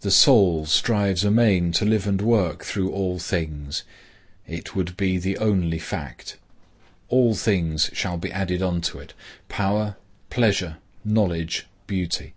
The soul strives amain to live and work through all things. It would be the only fact. All things shall be added unto it,—power, pleasure, knowledge, beauty.